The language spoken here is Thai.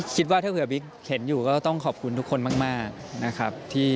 คิดว่าถ้าเผื่อบิ๊กเห็นอยู่ก็ต้องขอบคุณทุกคนมากนะครับ